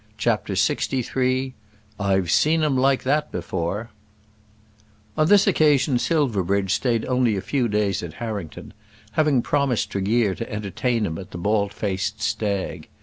CHAPTER LXIII "I've Seen 'Em Like That Before" On this occasion Silverbridge stayed only a few days at Harrington, having promised Tregear to entertain him at The Baldfaced Stag.